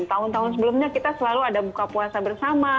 tahun tahun sebelumnya kita selalu ada buka puasa bersama